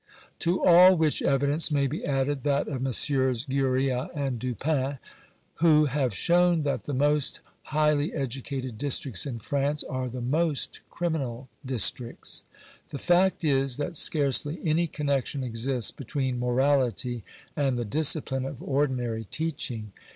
a To all which evidence may be added that of Messrs. Gurrea and Dupin, who have shown that the most highly educated districts in France are the most criminal districts. The fact is, that scarcely any connection exists between morality and the discipline of ordinary teaching.